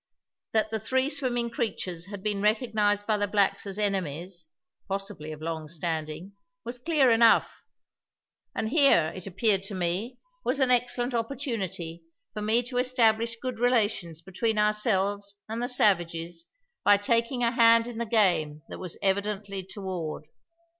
That the three swimming creatures had been recognised by the blacks as enemies possibly of long standing was clear enough; and here, it appeared to me, was an excellent opportunity for me to establish good relations between ourselves and the savages by taking a hand in the game that was evidently toward.